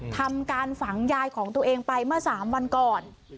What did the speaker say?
ทำการฝังยายของตัวเองไปเมื่อ๓วันก่อน